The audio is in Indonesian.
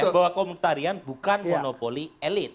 bahwa komutarian bukan monopoli elit